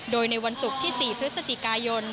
โดยในวันศุกร์ที่๔พฤศจิกายน